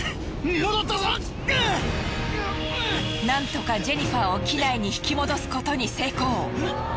なんとかジェニファーを機内に引き戻すことに成功。